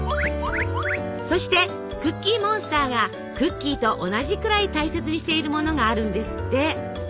そしてクッキーモンスターがクッキーと同じくらい大切にしているものがあるんですって！